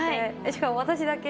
しかも私だけ。